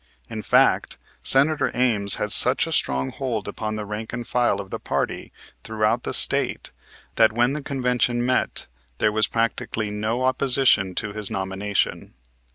In fact, Senator Ames had such a strong hold upon the rank and file of the party throughout the State that when the convention met there was practically no opposition to his nomination.